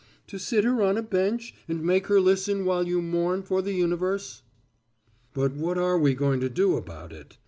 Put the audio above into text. To sit her on a bench and make her listen while you mourn for the universe?" "But what are we going to do about it?"